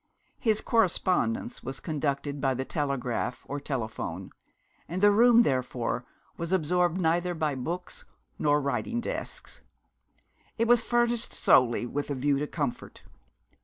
His correspondence was conducted by the telegraph or telephone; and the room, therefore, was absorbed neither by books nor writing desks. It was furnished solely with a view to comfort.